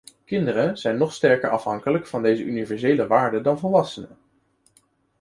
Kinderen zijn nog sterker afhankelijk van deze universele waarden dan volwassenen.